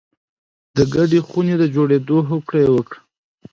د ګډې خونې د جوړېدو هوکړه یې وکړه